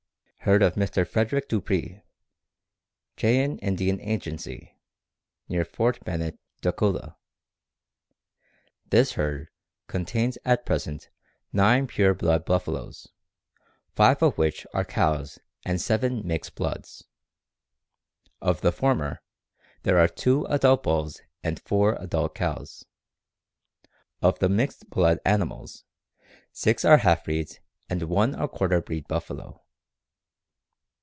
Herd of Mr. Frederick Dupree, Cheyenne Indian Agency, near Fort Bennett, Dakota. This herd contains at present nine pure blood buffaloes, five of which are cows and seven mixed bloods. Of the former, there are two adult bulls and four adult cows. Of the mixed blood animals, six are half breeds and one a quarter breed buffalo.